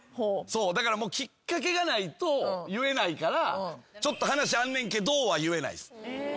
だからきっかけがないと言えないから「ちょっと話あんねんけど」は言えないです。